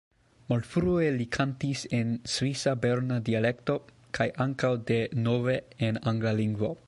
Malfrue li kantis en svisa berna dialekto, kaj ankaŭ de nove en angla lingvo.